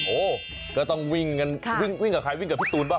โอ้เธอต้องวิ่งกับใครวิ่งกับพี่ตูนป่ะ